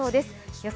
予想